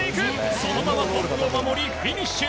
そのままトップを守りフィニッシュ。